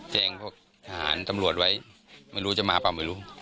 แจ้งพวกทหารตำรวจไว้ไม่รู้จะมาเปล่าไม่รู้